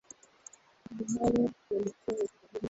makundi hayo yalikuwa ya kikabila na kidini